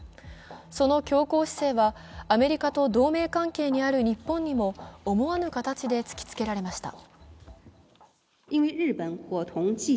その強硬姿勢はアメリカと同盟関係にある日本にも思わぬ形で突きつけられました。